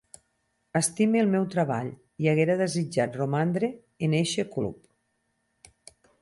Estime el meu treball i haguera desitjat romandre en eixe club.